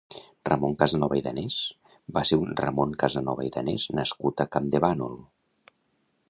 Ramon Casanova i Danés va ser un ramon Casanova i Danés nascut a Campdevànol.